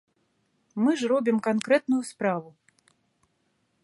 Мы ж робім канкрэтную справу.